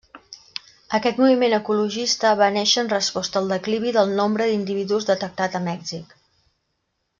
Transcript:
Aquest moviment ecologista va néixer en resposta al declivi del nombre d'individus detectat a Mèxic.